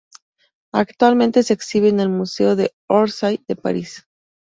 Actualmente se exhibe en el Museo de Orsay de París.